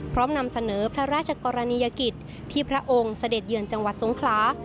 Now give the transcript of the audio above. นำเสนอพระราชกรณียกิจที่พระองค์เสด็จเยือนจังหวัดสงคลา